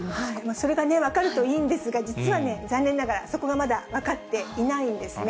それが分かるといいんですが、実はね、残念ながらそこはまだ分かっていないんですね。